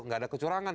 nggak ada kecurangan